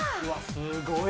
すごい！